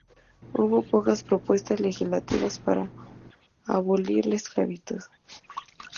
Hubo muy pocas propuestas legislativas para abolir la esclavitud.